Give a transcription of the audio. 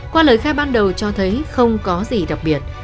qua lời khai ban đầu cho thấy không có gì đặc biệt